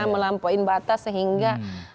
melampauin batas sehingga